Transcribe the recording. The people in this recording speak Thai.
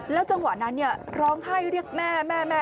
แล้วจังหวะนั้นร้องให้เรียกแม่